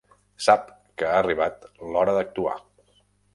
Sap que ha arribat l'hora d'actuar.